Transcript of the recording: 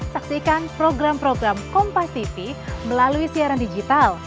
saksikan program program kompas tv melalui siaran digital